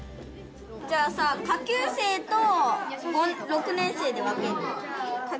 じゃあさ、下級生と６年生で分ける？